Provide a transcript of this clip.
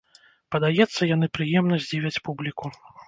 Падаецца, яны прыемна здзівяць публіку!